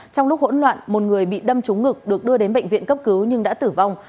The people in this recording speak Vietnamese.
trong lúc hỗn loạn một người bị đâm trúng ngực được đưa đến bệnh viện cấp cứu nhưng đã tử vong